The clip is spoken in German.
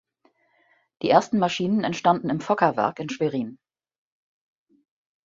Die ersten Maschinen entstanden im Fokker-Werk in Schwerin.